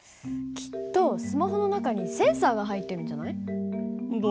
きっとスマホの中にセンサーが入ってるんじゃない？